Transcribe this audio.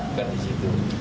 bukan di situ